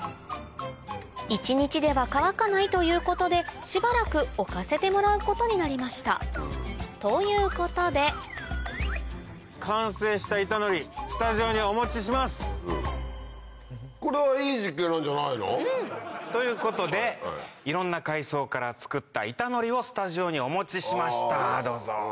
１日では乾かないということでしばらく置かせてもらうことになりましたということでこれはいい実験なんじゃないの？ということでいろんな海藻から作った板のりをスタジオにお持ちしましたどうぞ。